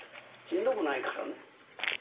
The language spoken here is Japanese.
しんどくないからね。